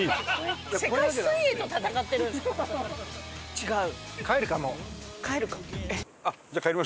違う？